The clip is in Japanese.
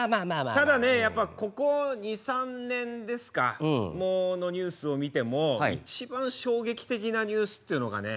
ただねやっぱここ２３年ですかのニュースを見ても一番衝撃的なニュースっていうのがね